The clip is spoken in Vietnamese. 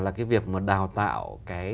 là cái việc mà đào tạo